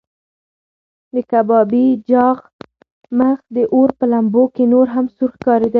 د کبابي چاغ مخ د اور په لمبو کې نور هم سور ښکارېده.